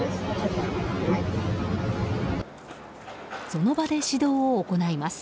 その場で指導を行います。